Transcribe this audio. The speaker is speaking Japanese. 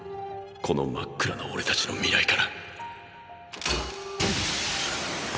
この真っ暗な俺たちの未来から。